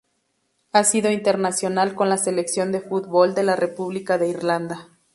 Ha sido internacional con la selección de fútbol de la República de Irlanda.